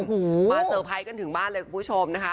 มาเซอร์ไพรส์กันถึงบ้านเลยคุณผู้ชม